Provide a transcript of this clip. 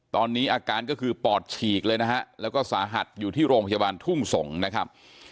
ตอนนี้อาการก็คือปอดฉีกเลยนะฮะแล้วก็สาหัสอยู่ที่โรงพยาบาลทุ่งสงศ์นะครับ